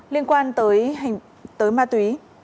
liên quan tới ma túy